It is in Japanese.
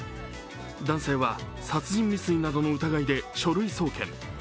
男性は殺人未遂などの疑いで書類送検。